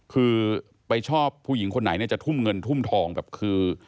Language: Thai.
คือไปชอบผู้หญิงคนไหนเนี่ยจะทุ่มเงินทุ่มทองแบบคือ